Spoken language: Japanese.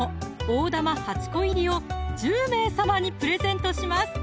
大玉８個入を１０名様にプレゼントします